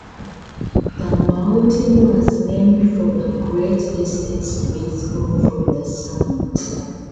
The mountain was named for the great distance visible from the summit.